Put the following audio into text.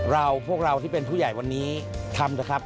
พวกเราที่เป็นผู้ใหญ่วันนี้ทำเถอะครับ